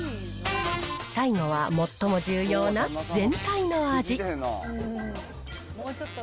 最後は、最も重要な全体の味。